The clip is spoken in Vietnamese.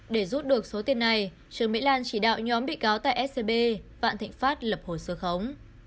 để rút được số tiền này trương mỹ lan chỉ đạo nhóm bị cáo tại scb vạn thịnh pháp lập hồ sơ khống